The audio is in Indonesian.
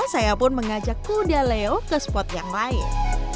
saya pun mengajak kuda leo ke spot yang lain